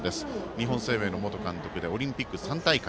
日本生命の元監督でオリンピック３大会。